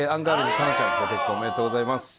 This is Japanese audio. たなちゃんご結婚おめでとうございます